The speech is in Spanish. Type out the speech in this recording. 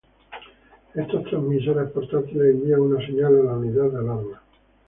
Estos transmisores portátiles envían una señal a la unidad de alarma.